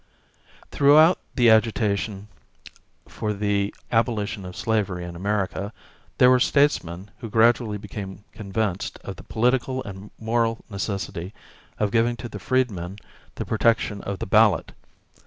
Throughout the agitation for the abolition of slavery in America, there were statesmen who gradually became convinced of the political and moral necessity of giving to the freedman the protection of the ballot.